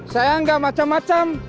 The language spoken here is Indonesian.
saya enggak macam macam